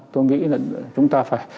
tôi nghĩ là chúng ta phải